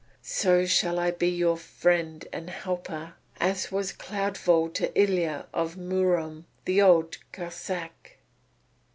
So shall I be your friend and helper as was Cloudfall to Ilya of Murom the Old Cossáck."